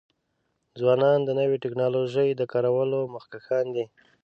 ځوانان د نوې ټکنالوژۍ د کارولو مخکښان دي.